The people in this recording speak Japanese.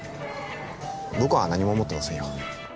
僕は何も思ってませんよ